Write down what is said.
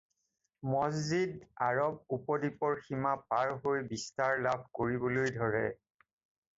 মছজিদ আৰব উপদ্বীপৰ সীমা পাৰ হৈ বিস্তাৰ লাভ কৰিবলৈ ধৰে।